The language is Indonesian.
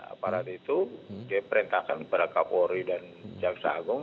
aparat itu diperintahkan kepada kapolri dan jaksa agung